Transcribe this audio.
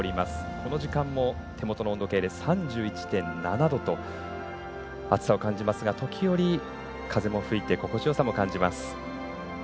この時間も手元の温度計で３１．７度と暑さを感じますが時折、風も吹いて心地よさも感じます。